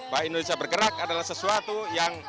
bahwa indonesia bergerak adalah sesuatu yang